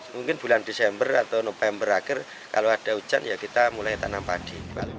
mungkin bulan desember atau november akhir kalau ada hujan ya kita mulai tanam padi